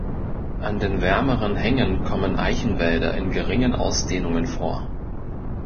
An den wärmeren Hängen kommen Eichenwälder in geringen Ausdehnungen vor.